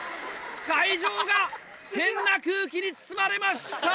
会場が変な空気に包まれました！